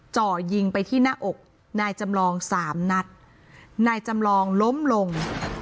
จ่อยิงไปที่หน้าอกนายจำลองสามนัดนายจำลองล้มลง